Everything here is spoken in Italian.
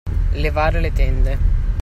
Levare le tende.